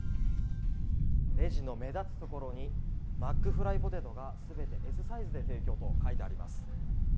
レジの目立つところにマックフライポテトが全てＳサイズで提供と書いています。